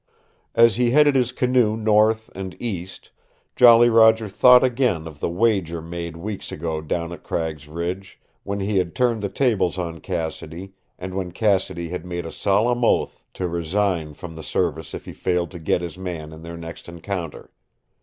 As he headed his canoe north and east, Jolly Roger thought again of the wager made weeks ago down at Cragg's Ridge, when he had turned the tables on Cassidy and when Cassidy had made a solemn oath to resign from the service if he failed to get his man in their next encounter.